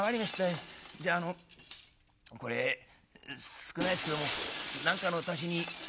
じゃああのこれ少ないですけども何かの足しに」。